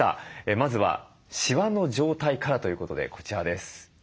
まずはしわの状態からということでこちらです。